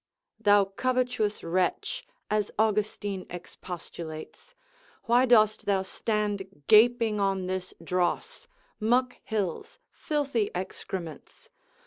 Thou covetous wretch, as Austin expostulates, why dost thou stand gaping on this dross, muck hills, filthy excrements?